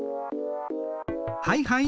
はいはい！